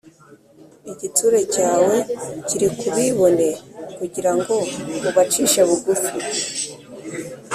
Igitsure cyawe kiri ku bibone Kugira ngo ubacishe bugufi